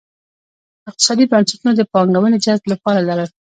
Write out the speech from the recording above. اقتصادي بنسټونو د پانګونې جذب لپاره لرل.